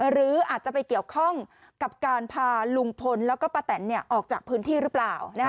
หรืออาจจะไปเกี่ยวข้องกับการพาลุงพลแล้วก็ป้าแตนออกจากพื้นที่หรือเปล่า